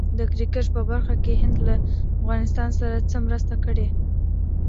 د کرېکټ په برخه کي هند له افغانستان سره څه مرسته کړې؟